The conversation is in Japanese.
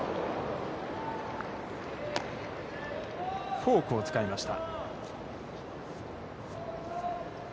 フォークを使いました。